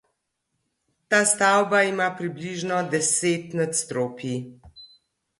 Ta stavba ima približno deset nadstropij.